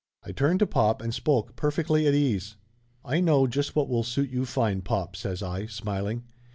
I turned to pop and spoke, perfectly at ease. "I know just what will suit you fine, pop!" says I, smiling.